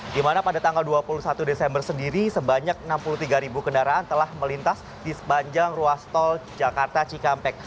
di mana pada tanggal dua puluh satu desember sendiri sebanyak enam puluh tiga ribu kendaraan telah melintas di sepanjang ruas tol jakarta cikampek